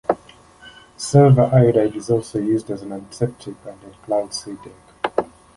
Silver iodide is also used as an antiseptic and in cloud seeding.